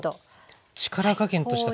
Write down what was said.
力加減としては。